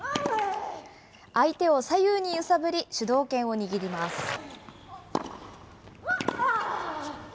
相手を左右に揺さぶり、主導権を握ります。